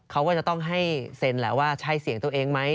เขาก็จะต้องให้เซ็นแหละว่าใช่เสียงตัวเองไหม